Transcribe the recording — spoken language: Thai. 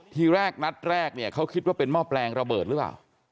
ทีแรกนัดแรกเนี่ยเขาคิดว่าเป็นหม้อแปลงระเบิดหรือเปล่า